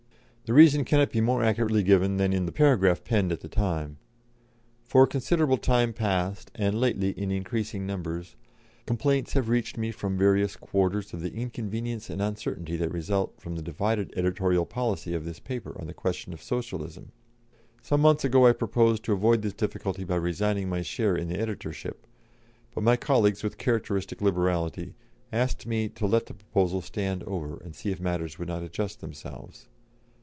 The reason cannot be more accurately given than in the paragraph penned at the time: "For a considerable time past, and lately in increasing number, complaints have reached me from various quarters of the inconvenience and uncertainty that result from the divided editorial policy of this paper on the question of Socialism. Some months ago I proposed to avoid this difficulty by resigning my share in the editorship; but my colleague, with characteristic liberality, asked me to let the proposal stand over and see if matters would not adjust themselves.